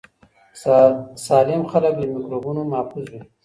سالم خلک له میکروبونو محفوظ وي.